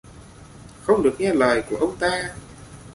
Không được nghe lời của ông ta